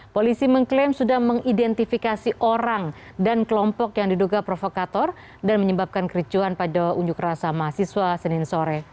polisi mengklaim sudah mengidentifikasi orang dan kelompok yang diduga provokator dan menyebabkan kericuan pada unjuk rasa mahasiswa senin sore